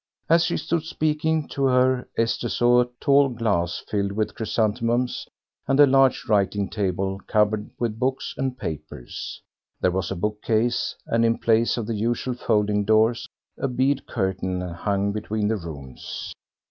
As she stood speaking to her, Esther saw a tall glass filled with chrysanthemums and a large writing table covered with books and papers. There was a bookcase, and in place of the usual folding doors, a bead curtain hung between the rooms.